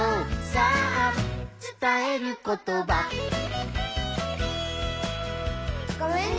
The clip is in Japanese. さあつたえることば」「ごめんね」